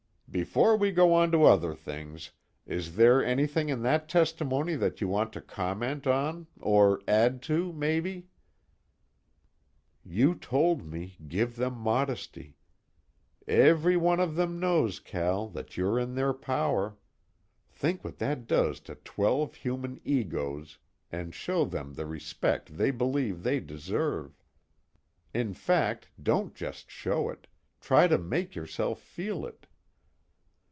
"Before we go on to other things, is there anything in that testimony that you want to comment on, or add to, maybe?" _You told me, give them modesty. "Every one of them knows, Cal, that you're in their power. Think what that does to twelve human egos, and show them the respect they believe they deserve. In fact don't just show it: try to make yourself feel it."